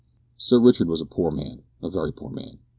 Sir Richard was a poor man a very poor man.